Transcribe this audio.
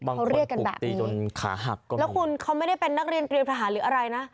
บางคนปุกตีจนขาหักก็มีแล้วคุณเขาไม่ได้เป็นนักเรียนกรียมภาษาหรืออะไรนะ